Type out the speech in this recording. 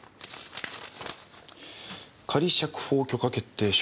「仮釈放許可決定書」。